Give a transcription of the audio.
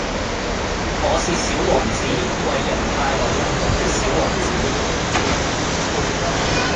我是小王子，為人帶來幸福的小王子